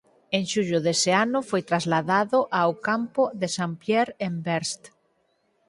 En xullo dese ano foi trasladado ao campo de St. Pierre en Brest.